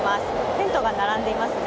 テントが並んでいますね。